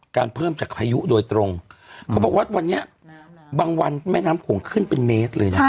เพิ่มจากพายุโดยตรงเขาบอกว่าวันนี้บางวันแม่น้ำโขงขึ้นเป็นเมตรเลยนะ